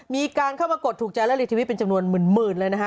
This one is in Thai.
มีการเข้ามากดถูกใจและรีทวิตเป็นจำนวนหมื่นเลยนะฮะ